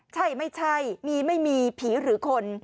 ใช่ไม่ใช่มีไม่มีผีหรือคน